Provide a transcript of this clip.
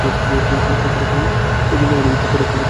শশিভূষণের হৃৎপিণ্ডের মধ্যে উত্তপ্ত রক্ত ফুটিতে লাগিল।